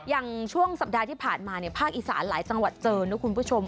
อย่างช่วงสัปดาห์ที่ผ่านมาเนี่ยภาคอีสานหลายจังหวัดเจอนะคุณผู้ชม